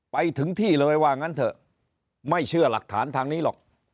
ไปถึงที่เลยว่างั้นเถอะไม่เชื่อหลักฐานทางนี้หรอก